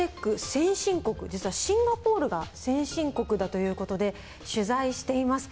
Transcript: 先進国実はシンガポールが先進国だという事で取材しています。